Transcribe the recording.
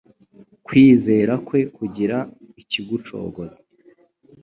Kwizera kwe kugira ikigucogoza.